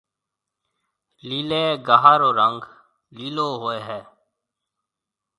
ليلي گاها رو رنگ ليلو هوئي هيَ۔